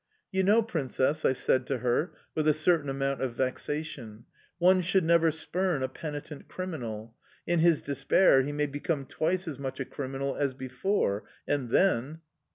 "You know, Princess," I said to her, with a certain amount of vexation, "one should never spurn a penitent criminal: in his despair he may become twice as much a criminal as before... and then"...